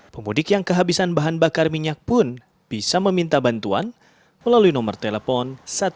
pemudik yang kehabisan bahan bakar minyak pun bisa meminta bantuan melalui nomor telepon satu ratus tiga puluh lima